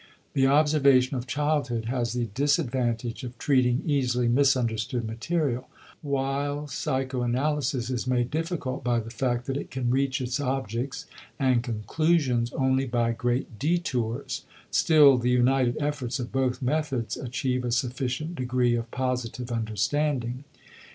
The observation of childhood has the disadvantage of treating easily misunderstood material, while psychoanalysis is made difficult by the fact that it can reach its objects and conclusions only by great detours; still the united efforts of both methods achieve a sufficient degree of positive understanding.